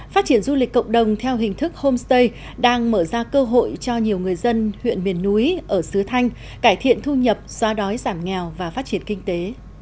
phát triển du lịch cộng đồng theo hình thức homestay đang mở ra cơ hội cho nhiều người dân huyện miền núi ở sứ thanh cải thiện thu nhập xóa đói giảm nghèo và phát triển kinh tế